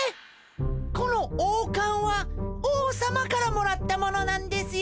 この王かんは王さまからもらったものなんですよ。